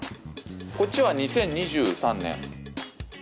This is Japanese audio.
こっちは２０２３年。